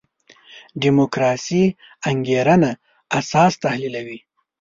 دیموکراسي انګېرنه اساس تحلیلوي.